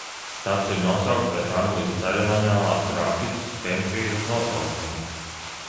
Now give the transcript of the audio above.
Štats ir nosaukts pēc Anglijas ceremoniālās grāfistes Hempšīras nosaukuma.